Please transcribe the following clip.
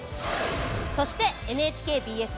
そしてＮＨＫＢＳ